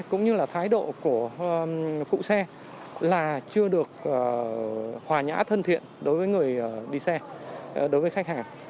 cũng như là thái độ của phụ xe là chưa được hòa nhã thân thiện đối với người đi xe đối với khách hàng